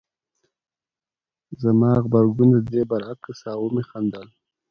زما غبرګون د دې برعکس و او ومې خندل